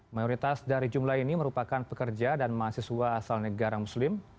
mayoritas dari jumlah ini merupakan pekerja dan mahasiswa asal negara muslim